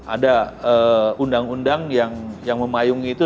ada undang undang yang memayungi itu